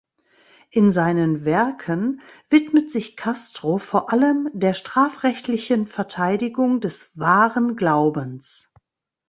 In seinen Werken widmet sich Castro vor allem der strafrechtlichen Verteidigung des „wahren Glaubens“.